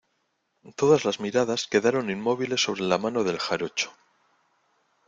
todas las miradas quedaron inmóviles sobre la mano del jarocho.